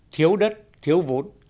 thiếu đất thiếu vốn